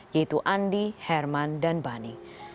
yaitu andi herman dan bani